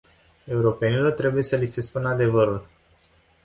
Europenilor trebuie să li se spună adevărul.